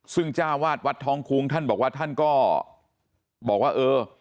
ซึ่งจ้าวาดวัดท้องคุ้งท่านบอกว่าท่านก็บอกว่าเออ